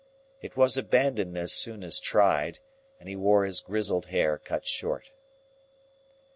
It was abandoned as soon as tried, and he wore his grizzled hair cut short.